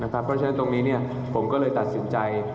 เพราะฉะนั้นตรงนี้ผมก็เลยตัดสินใจ